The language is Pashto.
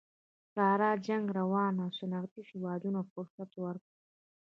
ساړه جنګ دوران صنعتي هېوادونو فرصت ورکړ